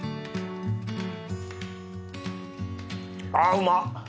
あうまっ！